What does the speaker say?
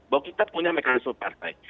bahwa kita punya mekanisme partai